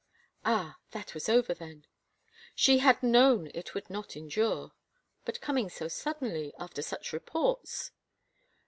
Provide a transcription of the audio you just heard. Ah, that was over thenl She had known it would not endure. ... But coming so suddenly ... after such reports